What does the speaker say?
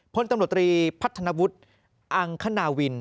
พลตำรวจตรีพัฒนาวุฒิอังคณาวิน